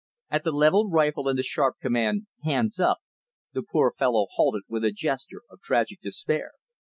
At the leveled rifle and the sharp command, "Hands up," the poor fellow halted with a gesture of tragic despair.